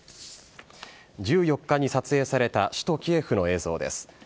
１４日に撮影された首都キエフの映像です。